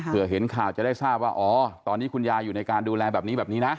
เพื่อเห็นข่าวจะได้ทราบว่าอ๋อตอนนี้คุณยายอยู่ในการดูแลแบบนี้แบบนี้นะ